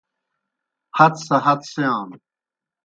ہت سہ ہت سِیانوْ